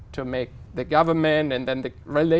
câu hỏi đầu tiên là